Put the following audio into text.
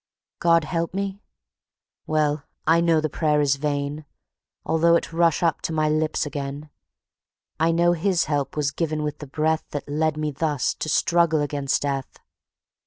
God help me? Well I know the prayer is vain, Although it rush up to my lips again;I know His help was given with the BreathThat leads me thus to struggle against death.